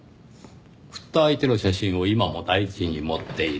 振った相手の写真を今も大事に持っている。